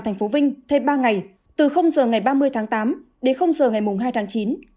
thành phố vinh thêm ba ngày từ giờ ngày ba mươi tháng tám đến giờ ngày hai tháng chín